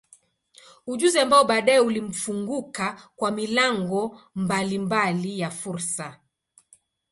Ujuzi ambao baadaye ulimfunguka kwa milango mbalimbali ya fursa.